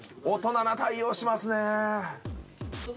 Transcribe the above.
大人な対応しますね。